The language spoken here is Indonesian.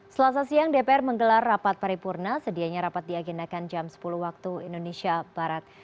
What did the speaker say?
selasa siang dpr menggelar rapat paripurna sedianya rapat diagendakan jam sepuluh waktu indonesia barat